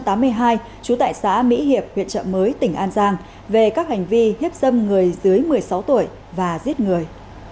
trú tại xã mỹ hiệp huyện trợ mới tỉnh an giang về các hành vi hiếp dâm người dưới một mươi sáu tuổi và giết người